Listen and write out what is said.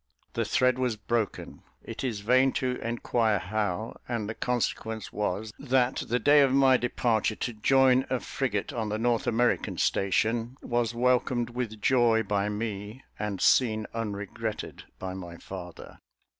The thread was broken it is vain to enquire how, and the consequence was, that the day of my departure to join a frigate on the North American station, was welcomed with joy by me, and seen unregretted by my father.